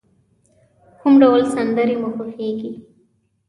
کوم ډول سندری مو خوښیږی؟